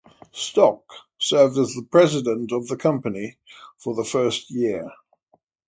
Stock served as the president of the company for the first year.